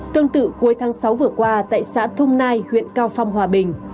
tương tự cuối tháng sáu vừa qua tại xã thung nai huyện cao phong hòa bình